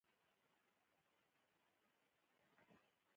ما د جامو اندازه وپوښتله.